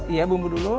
iya bumbu dulu